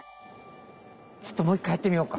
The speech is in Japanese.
ちょっともう一回やってみようか。